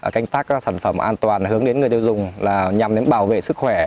canh tác các sản phẩm an toàn hướng đến người tiêu dùng là nhằm đến bảo vệ sức khỏe